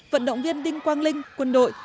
vận động viên đinh quang linh quân đội